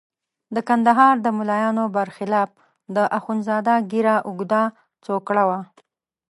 د کندهار د ملایانو برخلاف د اخندزاده ږیره اوږده څوکړه وه.